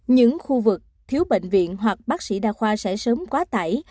những khu vực thiếu bệnh viện hoặc bác sĩ đa khoa sẽ sớm quá tải